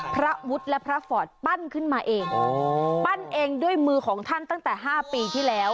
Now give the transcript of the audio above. พระวุฒิและพระฟอร์ตปั้นขึ้นมาเองปั้นเองด้วยมือของท่านตั้งแต่๕ปีที่แล้ว